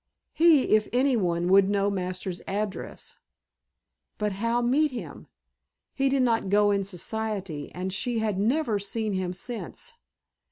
He, if any one, would know Masters' address. But how meet him? He did not go in Society, and she had never seen him since.